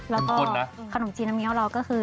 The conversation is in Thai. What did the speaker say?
แล้วก็ขนมจีนน้ำเงี้ยวเราก็คือ